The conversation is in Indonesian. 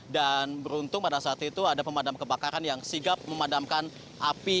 dan beruntung pada saat itu ada pemadam kebakaran yang sigap memadamkan api